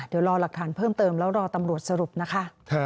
เดี๋ยวรอหลักฐานเพิ่มเติมแล้วรอตำรวจสรุปนะคะ